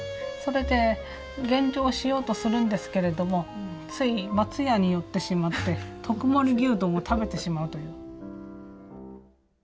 それで減量しようとするんですけれどもつい松屋に寄ってしまって特盛牛丼を食べてしまうという。